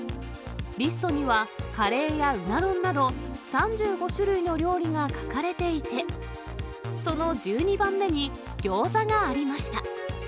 リストには、カレーやうな丼など、３５種類の料理が書かれていて、その１２番目にギョーザがありました。